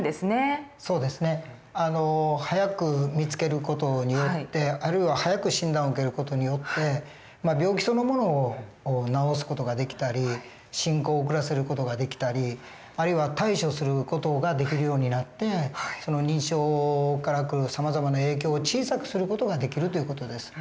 そうですね。早く見つける事によってあるいは早く診断を受ける事によって病気そのものを治す事ができたり進行を遅らせる事ができたりあるいは対処する事ができるようになって認知症からくるさまざまな影響を小さくする事ができるという事です。